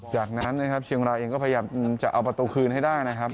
จากนั้นนะครับเชียงรายเองก็พยายามจะเอาประตูคืนให้ได้นะครับ